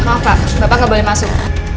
maaf pak bapak nggak boleh masuk